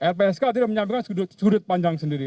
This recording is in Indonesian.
lpsk tidak menyangkutkan sudut pandang sendiri